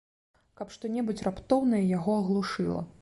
Каб што-небудзь раптоўнае яго аглушыла!